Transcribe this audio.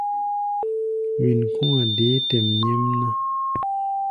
Wen kɔ̧́-a̧ deé tɛʼm nyɛ́mná.